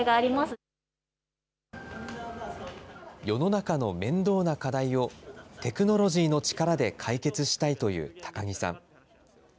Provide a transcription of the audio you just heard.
世の中の面倒な課題を、テクノロジーの力で解決したいという高木さん。